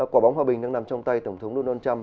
quả bóng hòa bình đang nằm trong tay tổng thống donald trump